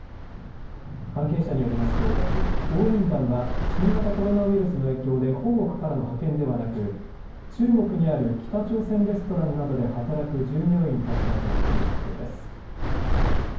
関係者によりますと応援団は新型コロナウイルスの影響で本国からの派遣ではなく中国にある北朝鮮レストランなどで働く従業員たちだということです。